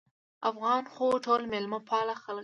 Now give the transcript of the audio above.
افغانان خو ټول مېلمه پاله خلک دي